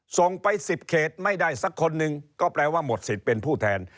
ส่งไป๑๐เขตไม่ได้สักคนหนึ่งก็แปลว่าหมดสิทธิ์เป็นผู้แทน